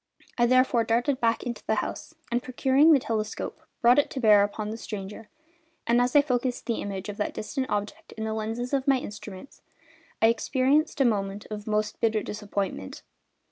I therefore darted back into the house, and procuring the telescope brought it to bear upon the stranger; and as I focused the image of that distant object in the lenses of the instrument I experienced a moment of most bitter disappointment.